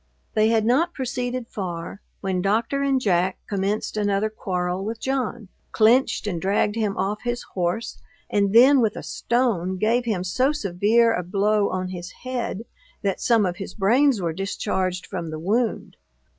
They had not proceeded far, when Doctor and Jack commenced another quarrel with John, clenched and dragged him off his horse, and then with a stone gave him so severe a blow on his head, that some of his brains were discharged from the wound.